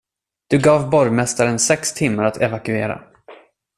Du gav borgmästaren sex timmar att evakuera.